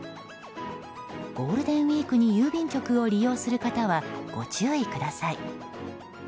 ゴールデンウィークに郵便局を利用する方はご注意ください。